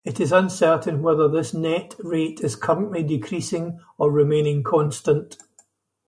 It is uncertain whether this net rate is currently decreasing or remaining constant.